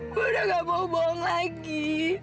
gue udah gak mau bohong lagi